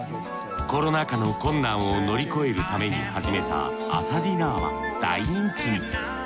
コロナ禍の困難を乗り越えるために始めた朝ディナーは大人気に。